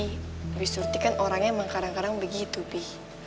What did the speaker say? tapi sutil kan orangnya emang kadang kadang begitu pi